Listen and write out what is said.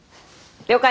了解！